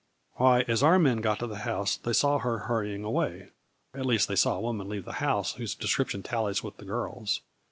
" Why, as our men got to the house they saw her hurrying away, at least they saw a woman leave the house whose description tallies with the girl's.